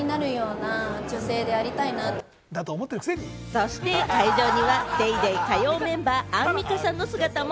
そして会場には『ＤａｙＤａｙ．』火曜メンバー・アンミカさんの姿も。